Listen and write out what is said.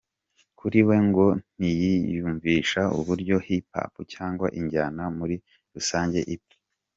Kuri we ngo ntiyiyumvisha uburyo Hip Hop cyangwa injyana muri rusange ipfa.